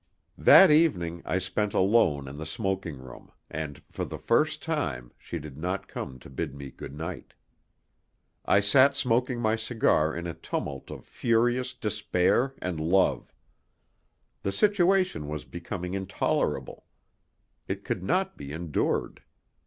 That evening I spent alone in the smoking room, and, for the first time, she did not come to bid me good night. I sat smoking my cigar in a tumult of furious despair and love. The situation was becoming intolerable. It could not be en dured.